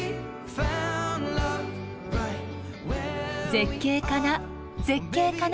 絶景かな絶景かな